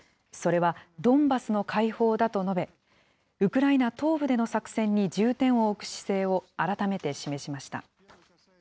それは、ドンバスの解放だと述べ、ウクライナ東部での作戦に重点を置く姿勢を改めて示しました。